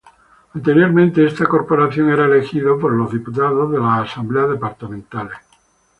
Anteriormente, esta corporación era elegida por los diputados de las asambleas departamentales.